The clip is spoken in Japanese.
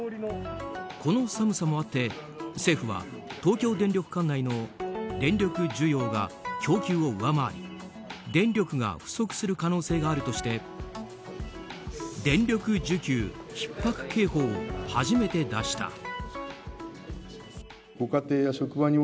この寒さもあって、政府は東京電力管内の電力需要が供給を上回り電力が不足する可能性があるとして電力需給ひっ迫警報を初めて出した。